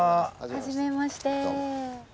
はじめまして。